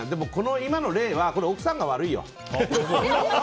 今の例は奥さんが悪いよ。